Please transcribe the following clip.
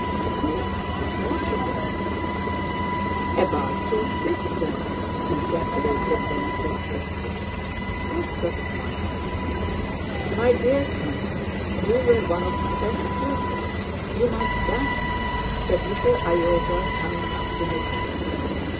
"Who are you talking about?" "About your sister," ejaculated Denísov testily. Rostóv smiled. "My dear count, you were one of my best pupils—you must dance," said little Iogel coming up to Nicholas.